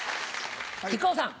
木久扇さん。